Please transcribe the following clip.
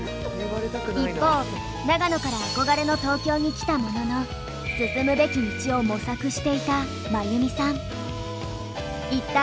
一方長野から憧れの東京に来たものの進むべき道を模索していたまゆみさん。